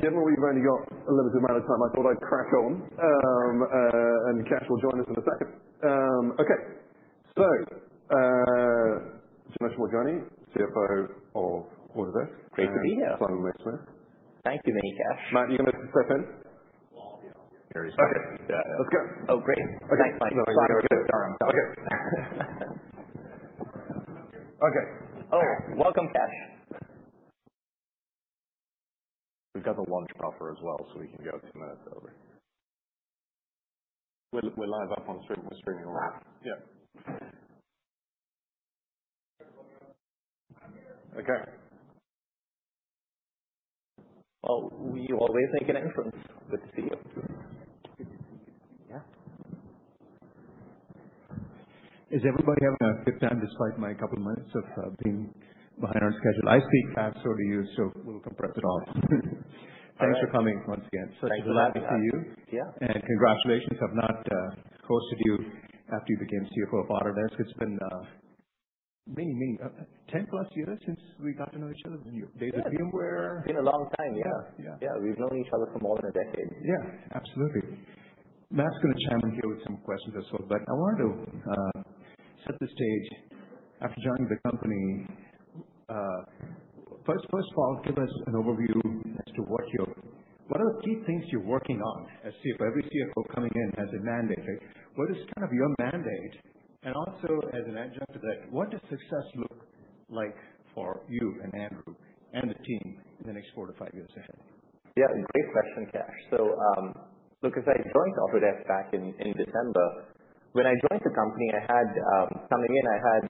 Given that we've only got a limited amount of time, I thought I'd crack on and Kash will join us in a second. Okay, so Janesh Moorjani, CFO of Autodesk. Great to be here. Simon Mays-Smith. Thank you, Vinny Kash. Matt, you're gonna step in? Well, yeah. Here he is. Okay. Yeah, yeah. Let's go. Oh, great. Okay. Thanks. Thanks. No, you're good. All right. I'm done. Okay. Okay. Oh, welcome, Kash. We've got the launch buffer as well, so we can go two minutes over. We're live up on stream. We're streaming live. Yeah. Okay. We always make an inference with the CEO. Yeah. Is everybody having a good time despite my couple of minutes of being behind on schedule? I speak faster, so we'll compress it all. Thanks for coming once again. Thank you. Such a delight to see you. Yeah. Congratulations. I've not hosted you after you became CFO of Autodesk. It's been many, many, 10+ years since we got to know each other. Yeah. And your days at VMware? It's been a long time. Yeah. Yeah. Yeah. We've known each other for more than a decade. Yeah. Absolutely. Matt's gonna chime in here with some questions as well, but I wanted to set the stage after joining the company. First of all, give us an overview as to what your—what are the key things you're working on? As CFO, every CFO coming in has a mandate, right? What is kind of your mandate? And also, as an adjunct to that, what does success look like for you and Andrew and the team in the next four to five years ahead? Yeah. Great question, Kash. So, look, as I joined Autodesk back in December, when I joined the company, coming in, I had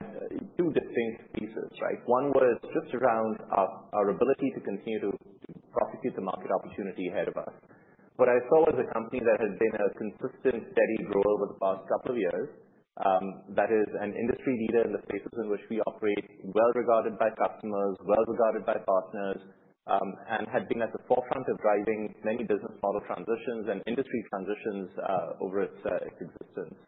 two distinct pieces, right? One was just around our ability to continue to prosecute the market opportunity ahead of us. What I saw was a company that had been a consistent, steady grower over the past couple of years, that is an industry leader in the spaces in which we operate, well regarded by customers, well regarded by partners, and had been at the forefront of driving many business model transitions and industry transitions, over its existence.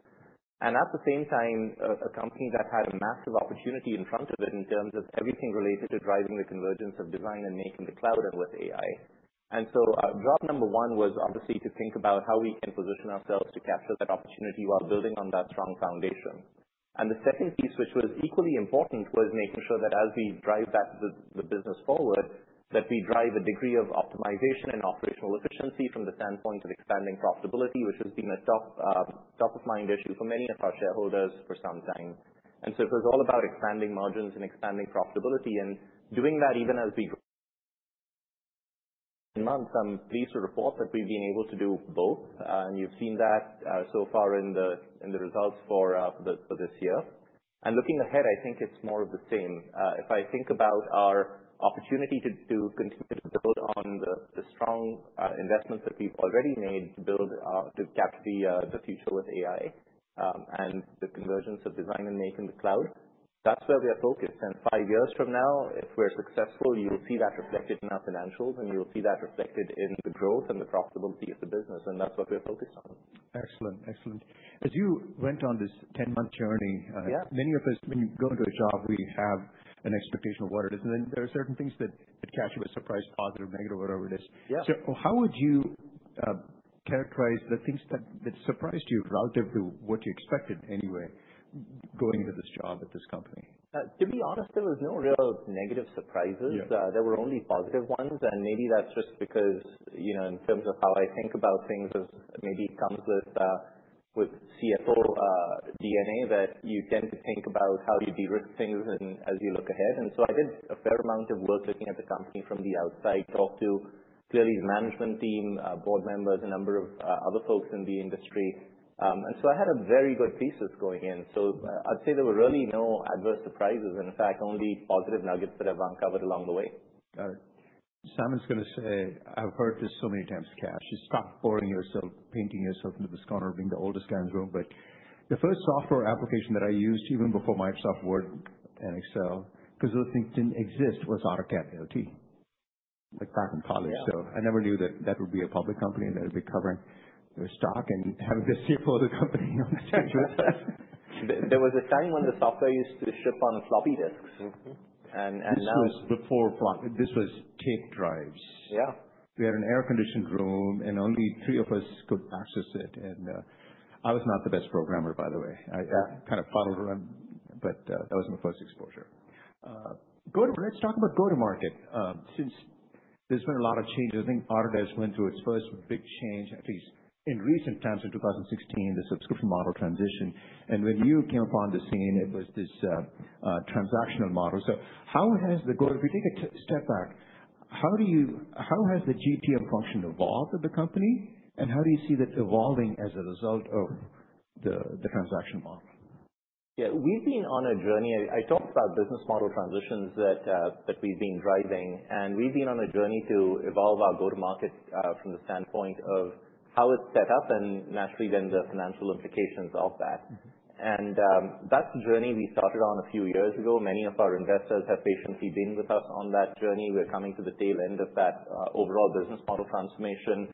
And at the same time, a company that had a massive opportunity in front of it in terms of everything related to driving the convergence of design and making the cloud and with AI. And so, job number one was obviously to think about how we can position ourselves to capture that opportunity while building on that strong foundation. And the second piece, which was equally important, was making sure that as we drive the business forward, we drive a degree of optimization and operational efficiency from the standpoint of expanding profitability, which has been a top-of-mind issue for many of our shareholders for some time. And so it was all about expanding margins and expanding profitability and doing that even as we grow in months. I'm pleased to report that we've been able to do both, and you've seen that so far in the results for this year. And looking ahead, I think it's more of the same. If I think about our opportunity to continue to build on the strong investments that we've already made to build to capture the future with AI, and the convergence of design and making the cloud, that's where we are focused. Five years from now, if we're successful, you'll see that reflected in our financials, and you'll see that reflected in the growth and the profitability of the business. That's what we're focused on. Excellent. Excellent. As you went on this 10-month journey, Yeah. Many of us, when you go into a job, we have an expectation of what it is, and then there are certain things that catch you by surprise, positive, negative, whatever it is. Yeah. So how would you characterize the things that surprised you relative to what you expected anyway going into this job at this company? To be honest, there was no real negative surprises. Yeah. There were only positive ones, and maybe that's just because, you know, in terms of how I think about things, it maybe comes with CFO DNA that you tend to think about how you de-risk things and as you look ahead. So I did a fair amount of work looking at the company from the outside, talked to, clearly, the management team, board members, a number of other folks in the industry, and so I had a very good thesis going in, so I'd say there were really no adverse surprises. In fact, only positive nuggets that have uncovered along the way. Got it. Simon's gonna say, "I've heard this so many times, Kash, you stop boring yourself, painting yourself into the corner of being the oldest guy in the room, but the first software application that I used even before Microsoft Word and Excel, 'cause those things didn't exist, was AutoCAD and LT. Like back in college. Yeah. So I never knew that that would be a public company and that it'd be covering the stock and having the CFO of the company on the stage with us. There was a time when the software used to ship on floppy disks. Mm-hmm. And now. This was before floppy. This was tape drives. Yeah. We had an air-conditioned room, and only three of us could access it, and I was not the best programmer, by the way. Yeah. I kind of fumbled around, but that was my first exposure. Let's talk about go-to-market. Since there's been a lot of changes, I think Autodesk went through its first big change, at least in recent times, in 2016, the subscription model transition. When you came upon the scene, it was this transactional model. So how has the GTM function evolved at the company, and how do you see that evolving as a result of the transactional model? Yeah. We've been on a journey. I talked about business model transitions that we've been driving, and we've been on a journey to evolve our go-to-market, from the standpoint of how it's set up and naturally then the financial implications of that. Mm-hmm. That's a journey we started on a few years ago. Many of our investors have patiently been with us on that journey. We're coming to the tail end of that, overall business model transformation.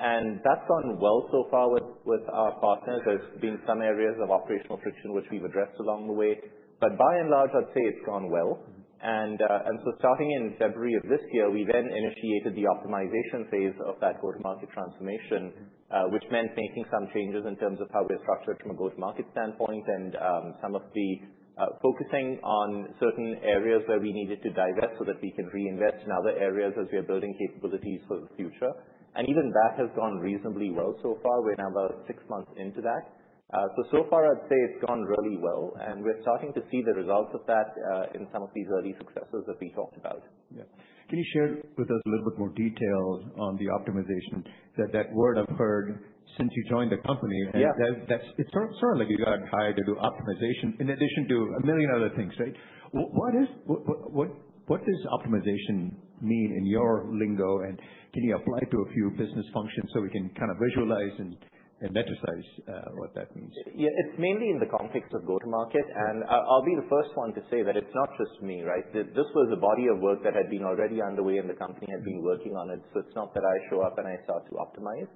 And that's gone well so far with our partners. There's been some areas of operational friction which we've addressed along the way, but by and large, I'd say it's gone well. Mm-hmm. And so starting in February of this year, we then initiated the optimization phase of that go-to-market transformation, which meant making some changes in terms of how we're structured from a go-to-market standpoint and focusing on certain areas where we needed to divest so that we can reinvest in other areas as we are building capabilities for the future. And even that has gone reasonably well so far. We're now about six months into that. So far, I'd say it's gone really well, and we're starting to see the results of that in some of these early successes that we talked about. Yeah. Can you share with us a little bit more detail on the optimization? That, that word I've heard since you joined the company. Yeah. That is, it's certainly like you got hired to do optimization in addition to a million other things, right? What does optimization mean in your lingo, and can you apply it to a few business functions so we can kind of visualize and let you size what that means? Yeah. It's mainly in the context of go-to-market, and I'll be the first one to say that it's not just me, right? This was a body of work that had been already underway, and the company had been working on it. So it's not that I show up and I start to optimize,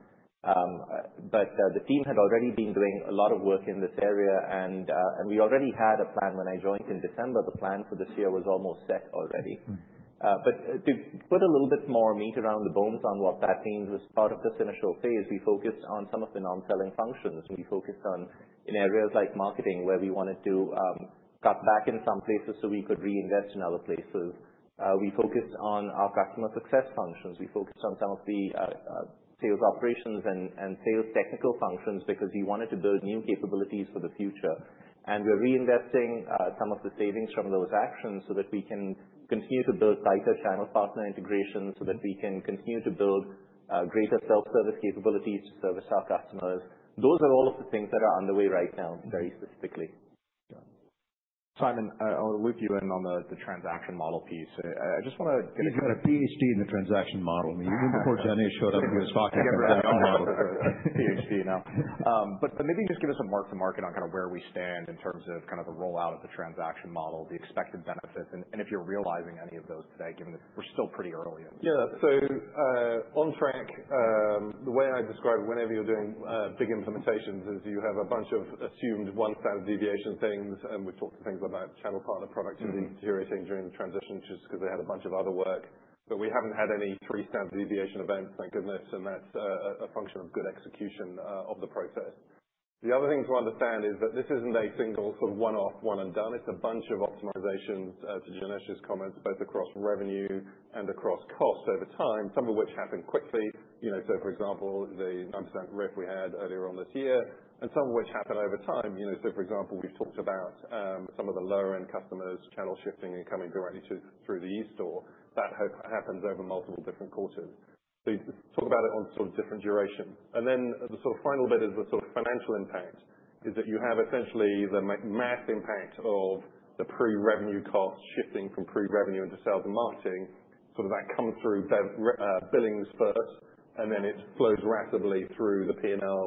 but the team had already been doing a lot of work in this area, and we already had a plan when I joined in December. The plan for this year was almost set already. Mm-hmm. But, to put a little bit more meat around the bones on what that means was part of this initial phase, we focused on some of the non-selling functions. We focused on, in areas like marketing, where we wanted to cut back in some places so we could reinvest in other places. We focused on our customer success functions. We focused on some of the sales operations and sales technical functions because we wanted to build new capabilities for the future, and we're reinvesting some of the savings from those actions so that we can continue to build tighter channel partner integration so that we can continue to build greater self-service capabilities to service our customers. Those are all of the things that are underway right now, very specifically. Got it. Simon, I'll loop you in on the transaction model piece. I just wanna get a. You've got a PhD in the transaction model. I mean, even before Janesh showed up, he was talking about the models. Yeah. Yeah. Yeah. PhD now, but maybe just give us a mark-to-market on kind of where we stand in terms of kind of the rollout of the transaction model, the expected benefits, and if you're realizing any of those today, given that we're still pretty early in. Yeah, so on track, the way I describe whenever you're doing big implementations is you have a bunch of assumed one standard deviation things, and we've talked about things about channel partner products. Mm-hmm. And deteriorating during the transition just 'cause they had a bunch of other work, but we haven't had any three standard deviation events, thank goodness, and that's a function of good execution of the process. The other thing to understand is that this isn't a single sort of one-off, one-and-done. It's a bunch of optimizations, to Janesh's comments, both across revenue and across cost over time, some of which happen quickly. You know, so for example, the 9% RIF we had earlier on this year, and some of which happen over time. You know, so for example, we've talked about some of the lower-end customers' channel shifting and coming directly to through the e-store. That happens over multiple different quarters. So you just talk about it on sort of different durations. And then the sort of final bit is the sort of financial impact is that you have essentially the mass impact of the pre-revenue cost shifting from pre-revenue into sales and marketing. Sort of that comes through billings first, and then it flows rapidly through the P&L,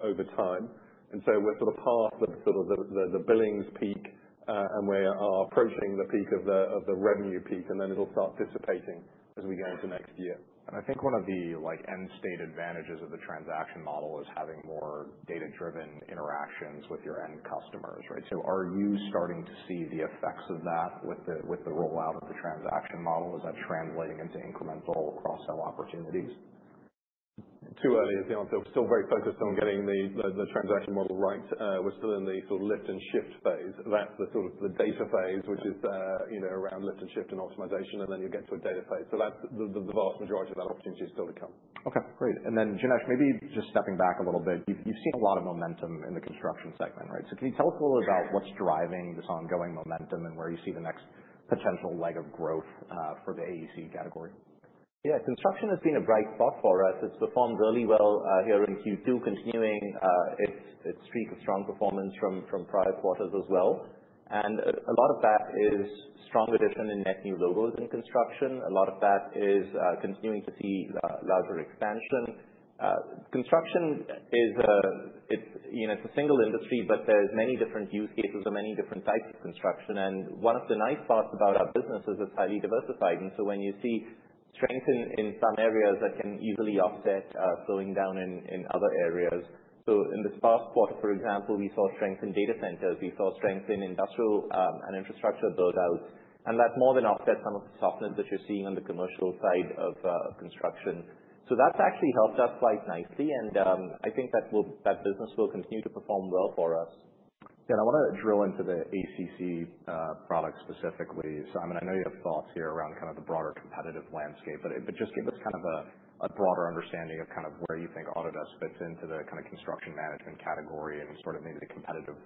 over time. And so we're sort of past the sort of the billings peak, and we are approaching the peak of the revenue peak, and then it'll start dissipating as we go into next year. And I think one of the, like, end-state advantages of the transaction model is having more data-driven interactions with your end customers, right? So are you starting to see the effects of that with the rollout of the transaction model? Is that translating into incremental cross-sell opportunities? Too early, as you know, so we're still very focused on getting the transaction model right. We're still in the sort of lift-and-shift phase. That's the sort of data phase, which is, you know, around lift-and-shift and optimization, and then you get to a data phase. So that's the vast majority of that opportunity is still to come. Okay. Great. And then, Janesh, maybe just stepping back a little bit, you've seen a lot of momentum in the construction segment, right? So can you tell us a little bit about what's driving this ongoing momentum and where you see the next potential leg of growth for the AEC category? Yeah. Construction has been a bright spot for us. It's performed really well here in Q2, continuing its streak of strong performance from prior quarters as well. And a lot of that is strong addition in net new logos in construction. A lot of that is continuing to see larger expansion. Construction is a, it's you know it's a single industry, but there's many different use cases or many different types of construction. And one of the nice parts about our business is it's highly diversified. And so when you see strength in some areas, that can easily offset slowing down in other areas. So in this past quarter, for example, we saw strength in data centers. We saw strength in industrial and infrastructure buildouts, and that more than offsets some of the softness that you're seeing on the commercial side of construction. That's actually helped us quite nicely, and I think that business will continue to perform well for us. Yeah. And I wanna drill into the ACC product specifically. Simon, I know you have thoughts here around kind of the broader competitive landscape, but just give us kind of a broader understanding of kind of where you think Autodesk fits into the kind of construction management category and sort of maybe the competitive,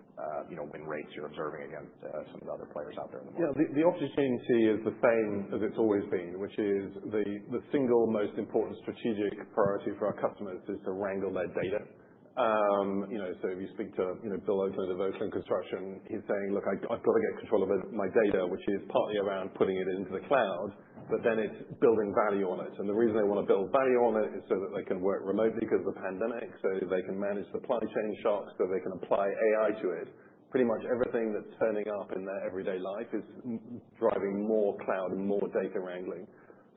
you know, win rates you're observing against some of the other players out there in the market. Yeah. The opportunity is the same as it's always been, which is the single most important strategic priority for our customers is to wrangle their data. You know, so if you speak to, you know, Bill Oakland of Oakland Construction, he's saying, "Look, I've gotta get control of my data, which is partly around putting it into the cloud, but then it's building value on it." The reason they wanna build value on it is so that they can work remotely 'cause of the pandemic, so they can manage supply chain shocks, so they can apply AI to it. Pretty much everything that's turning up in their everyday life is driving more cloud and more data wrangling.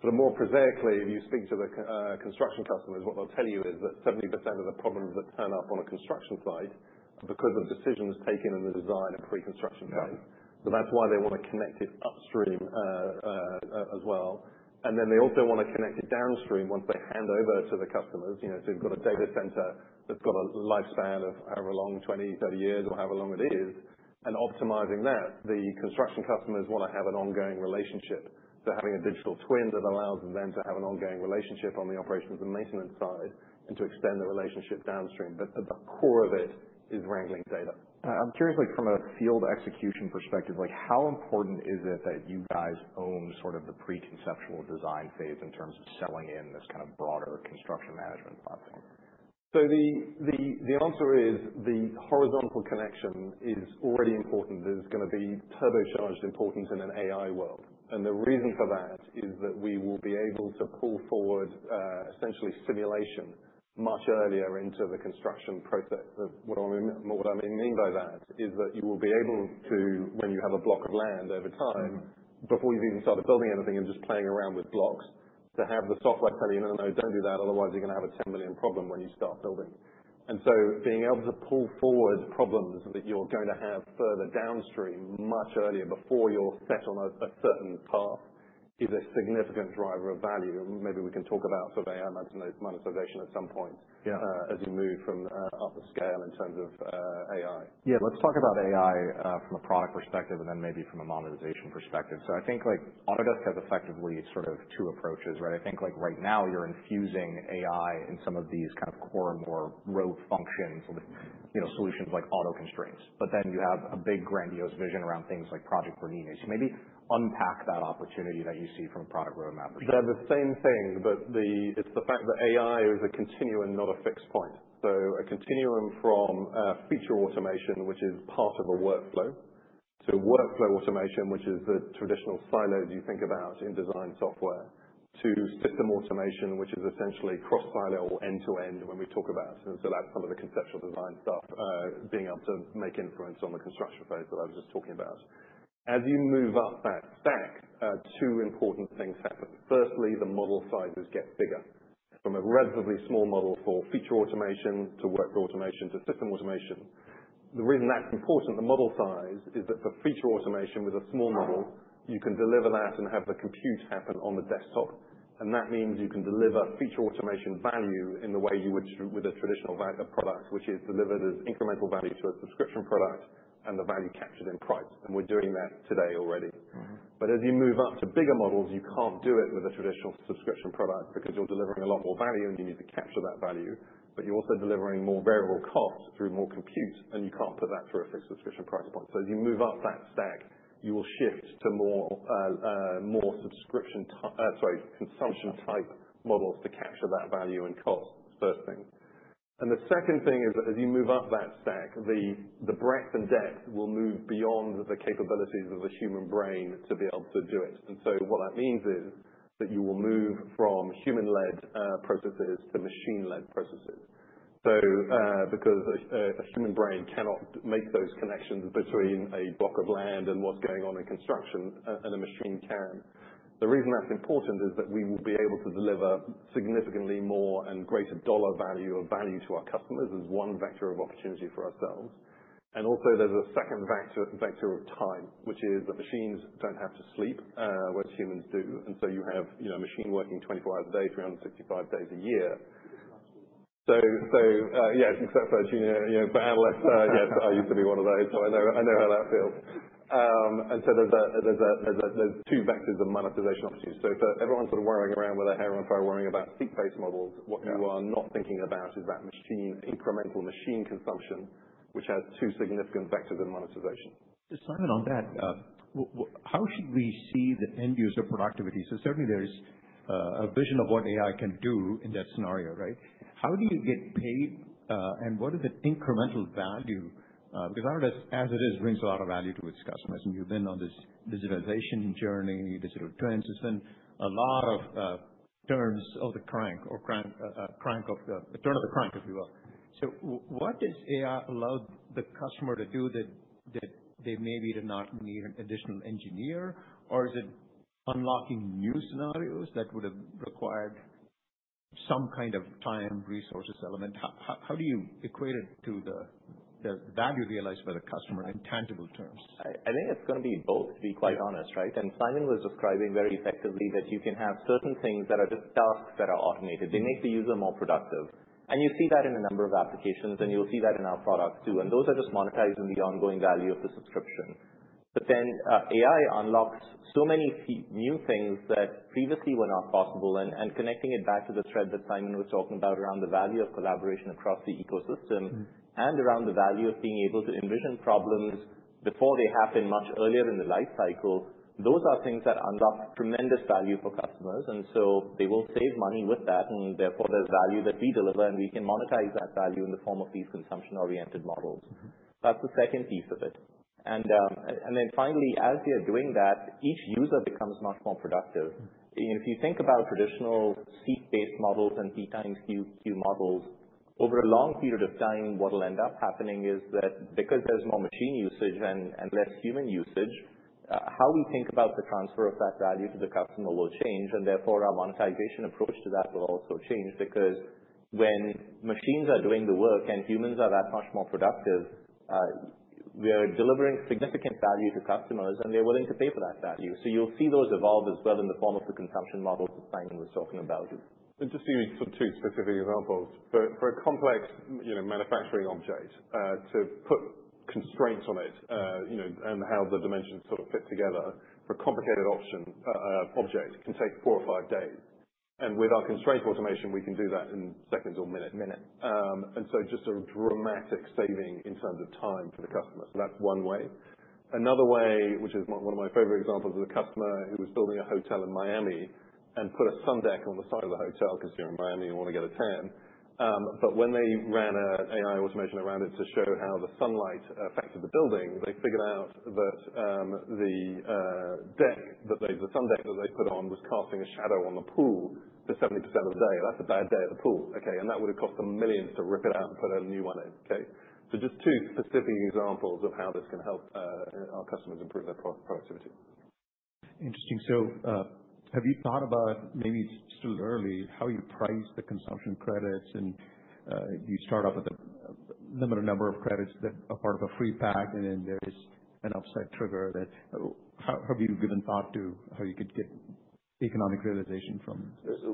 Sort of more prosaically, if you speak to the construction customers, what they'll tell you is that 70% of the problems that turn up on a construction site are because of decisions taken in the design and pre-construction phase. Yeah. So that's why they wanna connect it upstream, as well. And then they also wanna connect it downstream once they hand over to the customers. You know, so you've got a data center that's got a lifespan of however long, 20, 30 years, or however long it is, and optimizing that, the construction customers wanna have an ongoing relationship. So having a digital twin that allows them to have an ongoing relationship on the operations and maintenance side and to extend the relationship downstream. But at the core of it is wrangling data. I'm curious, like, from a field execution perspective, like, how important is it that you guys own sort of the pre-conceptual design phase in terms of selling in this kind of broader construction management platform? So the answer is the horizontal connection is already important. There's gonna be turbocharged importance in an AI world. And the reason for that is that we will be able to pull forward, essentially simulation much earlier into the construction process. What I mean by that is that you will be able to, when you have a block of land over time, before you've even started building anything and just playing around with blocks, to have the software tell you, "No, no, no. Don't do that. Otherwise, you're gonna have a $10 million problem when you start building." And so being able to pull forward problems that you're going to have further downstream much earlier before you're set on a certain path is a significant driver of value. And maybe we can talk about sort of AI monetization at some point. Yeah. As you move from, up the scale in terms of, AI. Yeah. Let's talk about AI, from a product perspective and then maybe from a monetization perspective. So I think, like, Autodesk has effectively sort of two approaches, right? I think, like, right now, you're infusing AI in some of these kind of core more rote functions with, you know, solutions like auto constraints, but then you have a big grandiose vision around things like project needs. Can you maybe unpack that opportunity that you see from a product roadmap perspective? Yeah. The same thing, it's the fact that AI is a continuum, not a fixed point. So a continuum from feature automation, which is part of a workflow, to workflow automation, which is the traditional silos you think about in design software, to system automation, which is essentially cross-silo or end-to-end when we talk about. And so that's some of the conceptual design stuff, being able to make influence on the construction phase that I was just talking about. As you move up that stack, two important things happen. Firstly, the model sizes get bigger. From a relatively small model for feature automation to workflow automation to system automation, the reason that's important, the model size, is that for feature automation with a small model, you can deliver that and have the compute happen on the desktop. And that means you can deliver feature automation value in the way you would with a traditional value of product, which is delivered as incremental value to a subscription product and the value captured in price. And we're doing that today already. Mm-hmm. But as you move up to bigger models, you can't do it with a traditional subscription product because you're delivering a lot more value, and you need to capture that value, but you're also delivering more variable cost through more compute, and you can't put that through a fixed subscription price point. So as you move up that stack, you will shift to more consumption type models to capture that value and cost. That's the first thing. And the second thing is that as you move up that stack, the breadth and depth will move beyond the capabilities of the human brain to be able to do it. And so what that means is that you will move from human-led processes to machine-led processes. So, because a human brain cannot make those connections between a block of land and what's going on in construction, and a machine can. The reason that's important is that we will be able to deliver significantly more and greater dollar value of value to our customers as one vector of opportunity for ourselves. And also, there's a second vector, vector of time, which is that machines don't have to sleep, whereas humans do. And so you have, you know, machine working 24 hours a day, 365 days a year. So, yeah, except for junior, you know, for analysts, yes, I used to be one of those, so I know, I know how that feels. And so there's two vectors of monetization opportunities. So for everyone sort of worrying around with their hair on fire worrying about seat-based models, what you are not thinking about is that machine, incremental machine consumption, which has two significant vectors in monetization. Simon, on that, how should we see the end-user productivity? So certainly, there's a vision of what AI can do in that scenario, right? How do you get paid, and what is the incremental value? Because Autodesk, as it is, brings a lot of value to its customers. And you've been on this digitization journey, digital transition, a lot of turns of the crank or turn of the crank, if you will. So what does AI allow the customer to do that they maybe did not need an additional engineer, or is it unlocking new scenarios that would've required some kind of time, resources element? How do you equate it to the value realized for the customer in tangible terms? I think it's gonna be both, to be quite honest, right? And Simon was describing very effectively that you can have certain things that are just tasks that are automated. They make the user more productive. And you see that in a number of applications, and you'll see that in our products too. And those are just monetizing the ongoing value of the subscription. But then, AI unlocks so many new things that previously were not possible, and connecting it back to the thread that Simon was talking about around the value of collaboration across the ecosystem and around the value of being able to envision problems before they happen much earlier in the life cycle, those are things that unlock tremendous value for customers. And so they will save money with that, and therefore, there's value that we deliver, and we can monetize that value in the form of these consumption-oriented models. That's the second piece of it. And then finally, as you're doing that, each user becomes much more productive. If you think about traditional seat-based models and P times Q, Q models, over a long period of time, what'll end up happening is that because there's more machine usage and less human usage, how we think about the transfer of that value to the customer will change, and therefore, our monetization approach to that will also change because when machines are doing the work and humans are that much more productive, we're delivering significant value to customers, and they're willing to pay for that value. You'll see those evolve as well in the form of the consumption models that Simon was talking about. Just to give you sort of two specific examples, for a complex, you know, manufacturing object, to put constraints on it, you know, and how the dimensions sort of fit together, for a complicated object can take four or five days. With our constraint automation, we can do that in seconds or minutes, and so just a dramatic saving in terms of time for the customer. That's one way. Another way, which is one of my favorite examples, is a customer who was building a hotel in Miami and put a sundeck on the side of the hotel. Considering Miami, you wanna get a 10. but when they ran an AI automation around it to show how the sunlight affected the building, they figured out that the sundeck that they put on was casting a shadow on the pool for 70% of the day. That's a bad day at the pool, okay? And that would've cost them millions to rip it out and put a new one in, okay? So just two specific examples of how this can help our customers improve their productivity. Interesting. So have you thought about, maybe it's still early, how you price the consumption credits? And you start off with a limited number of credits that are part of a free pack, and then there is an upside trigger that how have you given thought to how you could get economic realization from?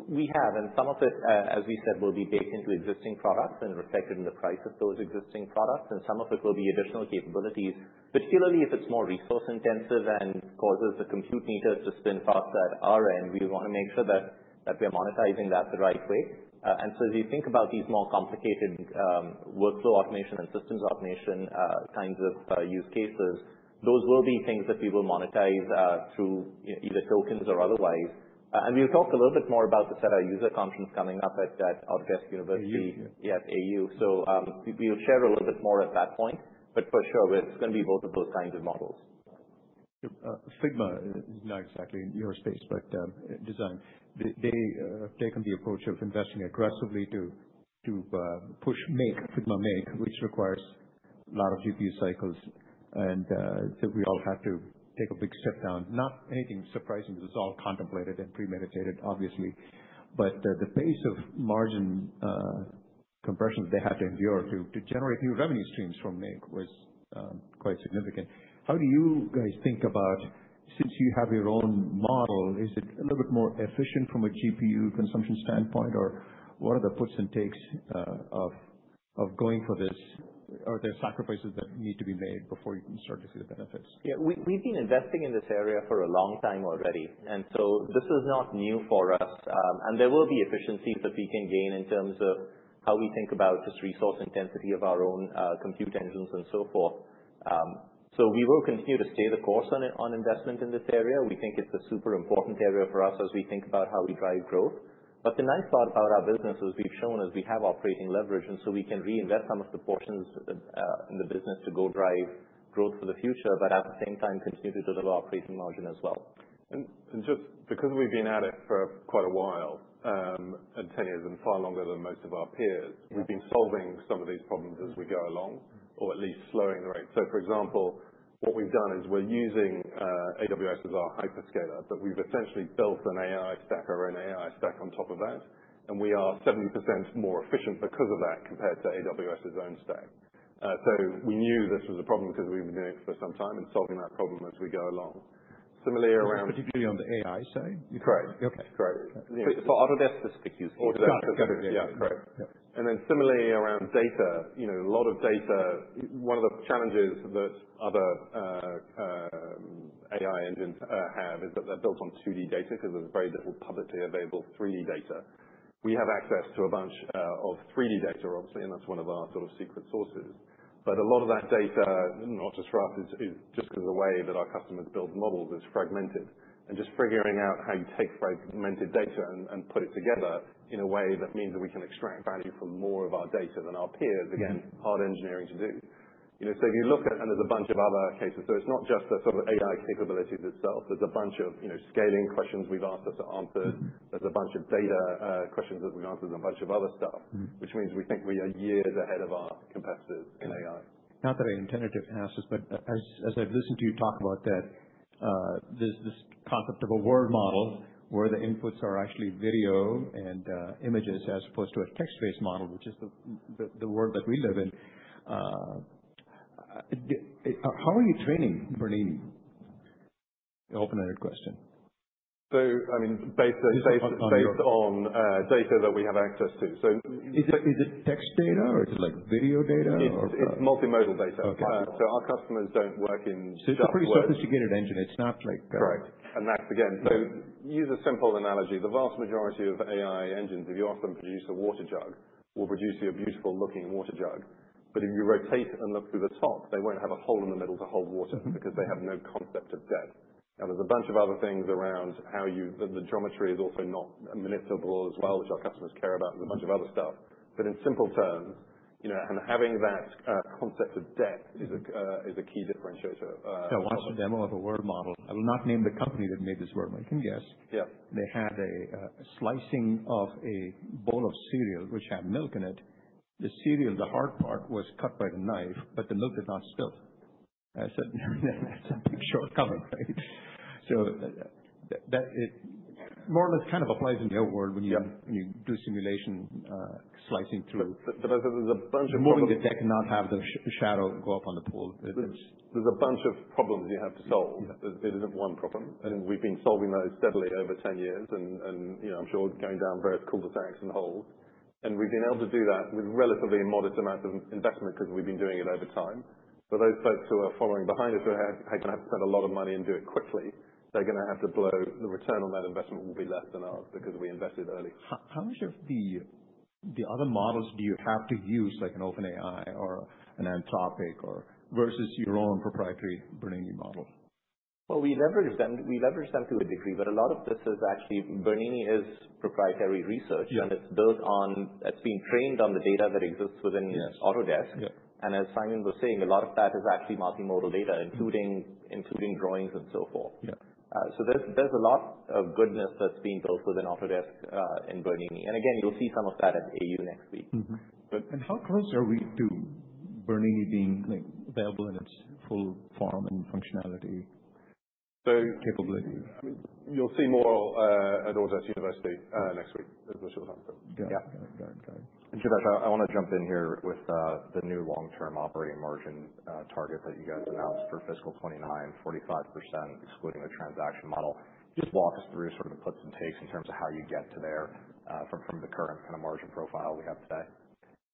We have. And some of it, as we said, will be baked into existing products and reflected in the price of those existing products. And some of it will be additional capabilities, particularly if it's more resource-intensive and causes the compute meter to spin faster at our end. We wanna make sure that, that we're monetizing that the right way. And so as you think about these more complicated, workflow automation and systems automation, kinds of, use cases, those will be things that we will monetize, through, you know, either tokens or otherwise. And we'll talk a little bit more about this at our user conference coming up at, at Autodesk University. Yeah. Yeah. At AU. So, we'll share a little bit more at that point, but for sure, it's gonna be both of those kinds of models. Figma is not exactly in your space, but, design. They have taken the approach of investing aggressively to push Figma Make, which requires a lot of GPU cycles, and so we all have to take a big step down. Not anything surprising 'cause it's all contemplated and premeditated, obviously, but the pace of margin compression that they had to endure to generate new revenue streams from Make was quite significant. How do you guys think about, since you have your own model, is it a little bit more efficient from a GPU consumption standpoint, or what are the puts and takes of going for this? Are there sacrifices that need to be made before you can start to see the benefits? Yeah. We've been investing in this area for a long time already, and so this is not new for us. And there will be efficiencies that we can gain in terms of how we think about just resource intensity of our own compute engines and so forth. So we will continue to stay the course on it, on investment in this area. We think it's a super important area for us as we think about how we drive growth. But the nice part about our business is we've shown is we have operating leverage, and so we can reinvest some of the portions in the business to go drive growth for the future, but at the same time, continue to deliver operating margin as well. And just because we've been at it for quite a while, and 10 years and far longer than most of our peers, we've been solving some of these problems as we go along, or at least slowing the rate. So, for example, what we've done is we're using AWS as our hyperscaler, but we've essentially built an AI stack, our own AI stack on top of that, and we are 70% more efficient because of that compared to AWS's own stack. So we knew this was a problem 'cause we've been doing it for some time and solving that problem as we go along. Similarly around particularly on the AI side? Correct. Okay. Correct. For Autodesk specific use. Autodesk specific. Yeah. Correct. Yeah. And then similarly around data, you know, a lot of data, one of the challenges that other AI engines have is that they're built on 2D data 'cause there's very little publicly available 3D data. We have access to a bunch of 3D data, obviously, and that's one of our sort of secret sources. But a lot of that data, not just for us, is just 'cause of the way that our customers build models is fragmented, and just figuring out how you take fragmented data and put it together in a way that means that we can extract value from more of our data than our peers, again, hard engineering to do. You know, so if you look at, and there's a bunch of other cases. So it's not just the sort of AI capabilities itself. There's a bunch of, you know, scaling questions we've asked us are answered. There's a bunch of data questions that we've answered and a bunch of other stuff, which means we think we are years ahead of our competitors in AI. Not that I intended to ask this, but as I've listened to you talk about that, this concept of a world model where the inputs are actually video and images as opposed to a text-based model, which is the world that we live in, how are you training Bernini? Open-ended question, so I mean, based on data that we have access to. So is it text data, or is it like video data, or? It's multimodal data. Okay, so our customers don't work in jargon. It's a pretty sophisticated engine. It's not like. Correct. And that's again, so use a simple analogy. The vast majority of AI engines, if you ask them, produce a water jug, will produce you a beautiful-looking water jug. But if you rotate and look through the top, they won't have a hole in the middle to hold water because they have no concept of depth. Now, there's a bunch of other things around how the geometry is also not manipulable as well, which our customers care about, and a bunch of other stuff. But in simple terms, you know, and having that concept of depth is a key differentiator. I watched a demo of a world model. I will not name the company that made this world. I can guess. Yeah. They had a slicing of a bowl of cereal, which had milk in it. The cereal, the hard part, was cut by the knife, but the milk did not spill. I said, "No, that's a big shortcoming, right?" So that it more or less kind of applies in the old world when you do simulation, slicing through. But there's a bunch of problems moving the deck and not have the shadow go up on the pool. There's a bunch of problems you have to solve. It isn't one problem. And we've been solving those steadily over 10 years. And, you know, I'm sure we're going down various cul-de-sacs and holes. And we've been able to do that with relatively modest amounts of investment 'cause we've been doing it over time. But those folks who are following behind us who are gonna have to spend a lot of money and do it quickly, they're gonna have to, the return on that investment will be less than ours because we invested early. How much of the other models do you have to use, like an OpenAI or an Anthropic or versus your own proprietary Bernini model? Well, we leverage them. We leverage them to a degree, but a lot of this is actually Bernini is proprietary research. Yeah. And it's built on it's been trained on the data that exists within Autodesk. Yes. Yeah. And as Simon was saying, a lot of that is actually multimodal data, including drawings and so forth. Yeah, so there's a lot of goodness that's being built within Autodesk, in Bernini. And again, you'll see some of that at AU next week. Mm-hmm. But and how close are we to Bernini being, like, avail able in its full form and functionality? So capability. I mean, you'll see more at Autodesk University next week as we're sure to have to. Yeah. Yeah. Got it. Got it. And Janesh, I wanna jump in here with the new long-term operating margin target that you guys announced for fiscal 2029, 45% excluding the transaction model. Just walk us through sort of the puts and takes in terms of how you get to there from the current kind of margin profile we have today.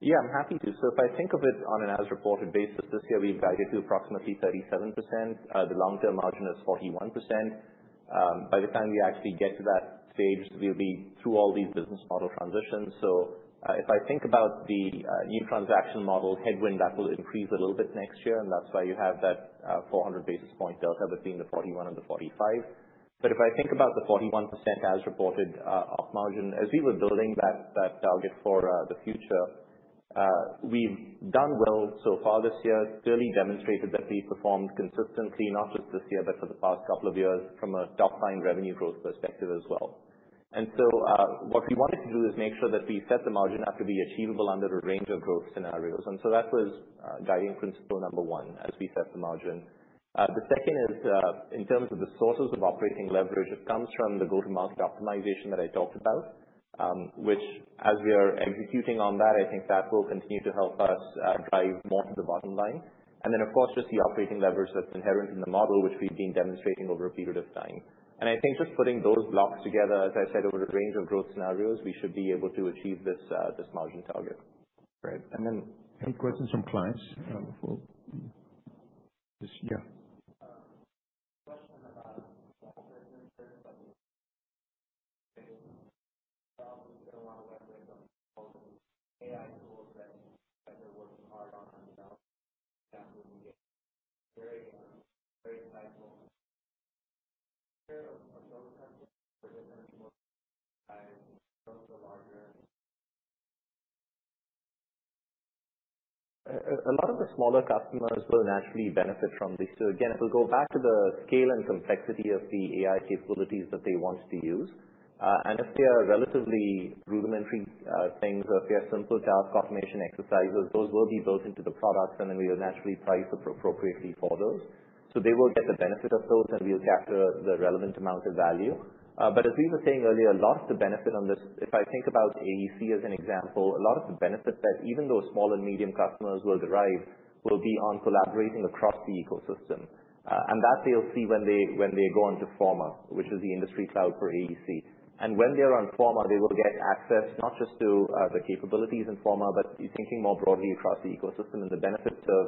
Yeah. I'm happy to. So if I think of it on an as-reported basis, this year we've guided to approximately 37%. The long-term margin is 41%. By the time we actually get to that stage, we'll be through all these business model transitions. So if I think about the new transaction model headwind, that will increase a little bit next year, and that's why you have that 400 basis points delta between the 41 and the 45. But if I think about the 41% as reported up margin, as we were building that target for the future, we've done well so far this year. Clearly demonstrated that we performed consistently, not just this year but for the past couple of years, from a top-line revenue growth perspective as well. And so, what we wanted to do is make sure that we set the margin up to be achievable under a range of growth scenarios. And so that was guiding principle number one as we set the margin. The second is, in terms of the sources of operating leverage, it comes from the go-to-market optimization that I talked about, which, as we are executing on that, I think that will continue to help us drive more to the bottom line. And then, of course, just the operating leverage that's inherent in the model, which we've been demonstrating over a period of time. And I think just putting those blocks together, as I said, over a range of growth scenarios, we should be able to achieve this margin target. Great. And then any questions from clients? Well, just yeah. Question about small businesses, but they probably still wanna leverage on all the AI tools that they're working hard on and develop. That would be very, very insightful. Is there a growth concept for different small size, growth for larger? A lot of the smaller customers will naturally benefit from these. So again, it will go back to the scale and complexity of the AI capabilities that they want to use. And if they are relatively rudimentary things, or if they are simple task automation exercises, those will be built into the products, and then we will naturally price appropriately for those, so they will get the benefit of those, and we'll capture the relevant amount of value, but as we were saying earlier, a lot of the benefit on this, if I think about AEC as an example, a lot of the benefit that even those small and medium customers will derive will be on collaborating across the ecosystem, and that they'll see when they, when they go onto Forma, which is the industry cloud for AEC, and when they're on Forma, they will get access not just to the capabilities in Forma, but thinking more broadly across the ecosystem and the benefits of,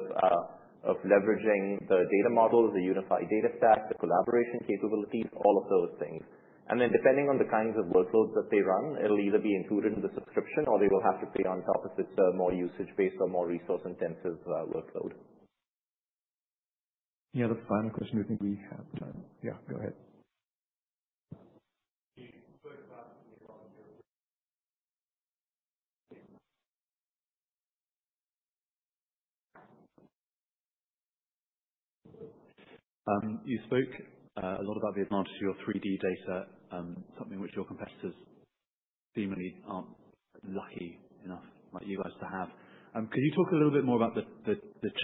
of leveraging the data models, the unified data stack, the collaboration capabilities, all of those things. And then depending on the kinds of workloads that they run, it'll either be included in the subscription, or they will have to pay on top if it's a more usage-based or more resource-intensive workload. Yeah. That's the final question. I think we have time. Yeah. Go ahead. You spoke a lot about the advantage of your 3D data, something which your competitors seemingly aren't lucky enough, like you guys, to have. Could you talk a little bit more about the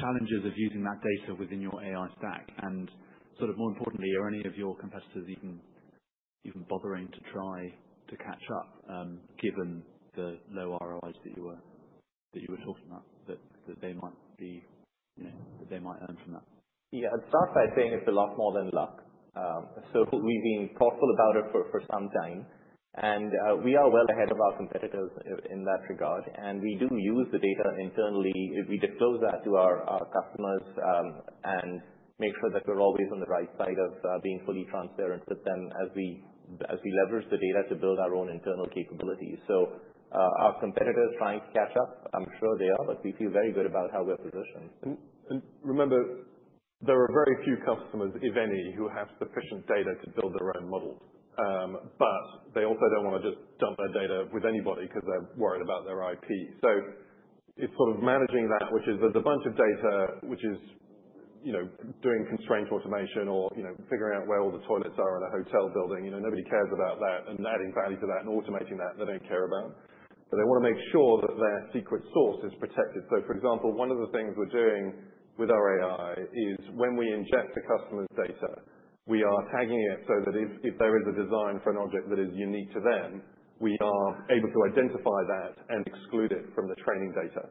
challenges of using that data within your AI stack? And sort of more importantly, are any of your competitors even bothering to try to catch up, given the low ROIs that you were talking about, that they might be, you know, that they might earn from that? Yeah. I'd start by saying it's a lot more than luck. We've been thoughtful about it for some time. We are well ahead of our competitors in that regard. We do use the data internally. We disclose that to our customers, and make sure that we're always on the right side of being fully transparent with them as we leverage the data to build our own internal capabilities. Our competitors trying to catch up, I'm sure they are, but we feel very good about how we're positioned. Remember, there are very few customers, if any, who have sufficient data to build their own models. But they also don't wanna just dump their data with anybody 'cause they're worried about their IP. So it's sort of managing that, which is there's a bunch of data which is, you know, doing constrained automation or, you know, figuring out where all the toilets are in a hotel building. You know, nobody cares about that. And adding value to that and automating that, they don't care about. But they wanna make sure that their secret sauce is protected. So, for example, one of the things we're doing with our AI is when we inject the customer's data, we are tagging it so that if there is a design for an object that is unique to them, we are able to identify that and exclude it from the training data.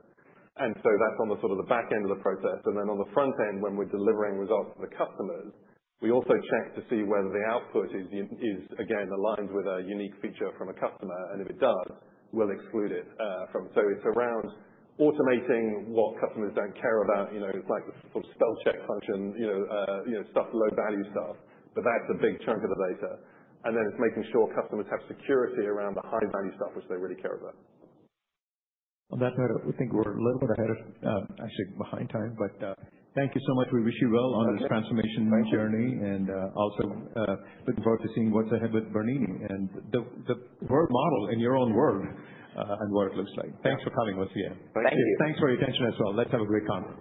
And so that's on the sort of the back end of the process. And then on the front end, when we're delivering results to the customers, we also check to see whether the output is again aligned with a unique feature from a customer. And if it does, we'll exclude it from. So it's around automating what customers don't care about. You know, it's like the sort of spell-check function, you know, low-value stuff. But that's a big chunk of the data. And then it's making sure customers have security around the high-value stuff, which they really care about. On that note, I think we're a little bit behind time actually, but thank you so much. We wish you well on this transformation journey. Thank you. And also, looking forward to seeing what's ahead with Bernini and the world model in your own words, and what it looks like. Thanks for coming with us here. Thank you. Thanks for your attention as well. Let's have a great conference.